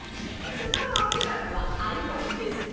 そのクラブはアイアンですね？